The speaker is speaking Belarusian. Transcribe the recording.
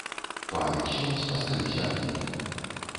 Пан і ксёндз асталіся адны.